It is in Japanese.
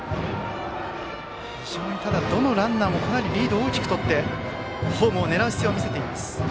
どのランナーもかなりリードを大きくとってホームを狙う姿勢を見せています。